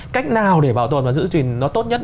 cách nào để bảo tồn và giữ gìn nó tốt nhất